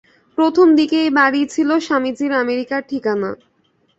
প্রথম দিকে এই বাড়ীই ছিল স্বামীজীর আমেরিকার ঠিকানা।